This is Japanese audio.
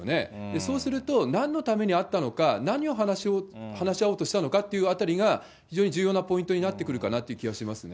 そうすると、なんのために会ったのか、何を話し合おうとしたのかっていうあたりが、非常に重要なポイントになってくるかなという気はしますね。